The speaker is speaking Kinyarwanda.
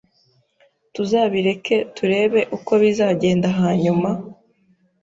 Tuzabireke turebe uko bizagenda hanyuma